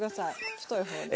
太い方で。